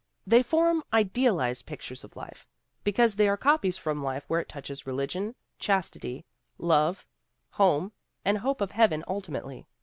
They form "idealized pictures of life" because they are copies from life where it touches religion, chastity, love, home, and hope of Heaven ultimately.